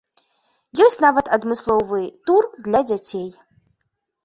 Ёсць нават адмысловы тур для дзяцей.